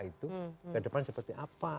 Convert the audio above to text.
itu ke depan seperti apa